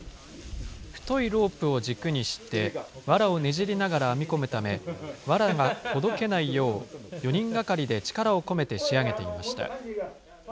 太いロープを軸にして、わらをねじりながら編み込むため、わらがほどけないよう、４人がかりで力を込めて仕上げていました。